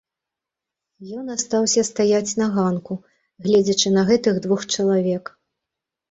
Ён астаўся стаяць на ганку, гледзячы на гэтых двух чалавек.